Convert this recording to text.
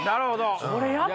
これやったぞ。